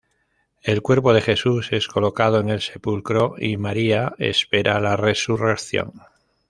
El cuerpo de Jesús es colocado en el sepulcro y María espera la Resurrección.